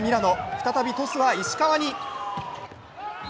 再びトスは石川に。